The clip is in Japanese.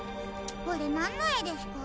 これなんのえですか？